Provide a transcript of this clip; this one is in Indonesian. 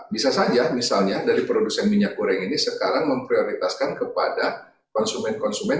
bisa saja misalnya dari produsen minyak goreng ini sekarang memprioritaskan kepada konsumen konsumen